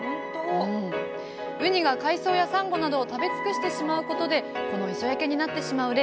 ウニが海藻や珊瑚などを食べ尽くしてしまうことでこの磯焼けになってしまう例